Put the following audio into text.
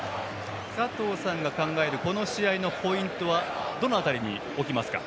佐藤さんが考えるこの試合のポイントはどの辺りに置きますか？